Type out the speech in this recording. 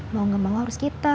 mau gak mau harus kita